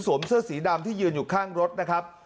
เสื้อสีดำที่ยืนอยู่ข้างรถนะครับ